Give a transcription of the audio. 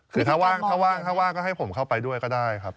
คือถ้าว่างถ้าว่างก็ให้ผมเข้าไปด้วยก็ได้ครับ